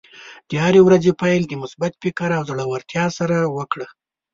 د هرې ورځې پیل د مثبت فکر او زړۀ ورتیا سره وکړه.